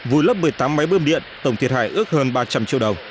vùi lấp một mươi tám máy bơm điện tổng thiệt hại ước hơn ba trăm linh triệu đồng